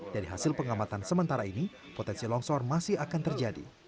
dari hasil pengamatan sementara ini potensi longsor masih akan terjadi